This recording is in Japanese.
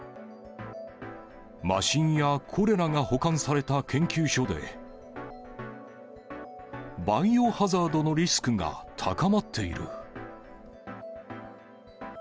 麻疹やコレラが保管された研究所で、バイオハザードのリスクが高まっている。